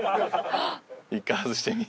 １回外してみ。